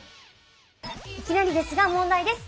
いきなりですが問題です。